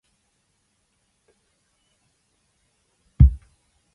Following the season, Snyder won the Bobby Dodd Coach of the Year Award.